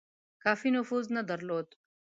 کافي نفوذ نه درلود.